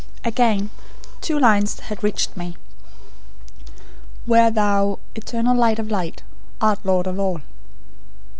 Again two lines had reached me:" "'Where Thou, Eternal Light of Light, Art Lord of All.'"